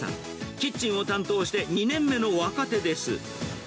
キッチンを担当して２年目の若手です。